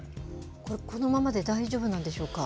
これ、このままで大丈夫なんでしょうか。